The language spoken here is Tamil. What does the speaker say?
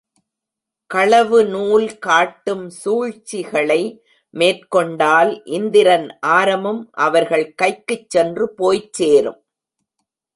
களவு நூல் காட்டும் சூழ்ச்சிகளை மேற்கொண்டால் இந்திரன் ஆரமும் அவர்கள் கைக்குச் சென்று போய்ச் சேரும்.